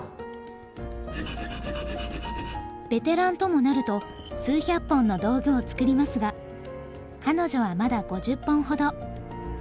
ベテランともなると数百本の道具を作りますが彼女はまだ５０本ほど。